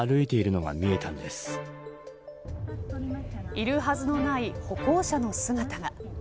いるはずのない歩行者の姿が。